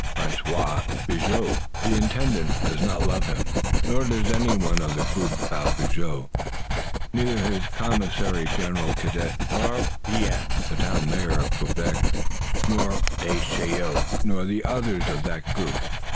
François Bigot, the Intendant, does not love him, nor does anyone of the group about Bigot, neither his commissary general, Cadet, nor Pean, the Town Mayor of Quebec, nor Descheneaux, nor the others of that group.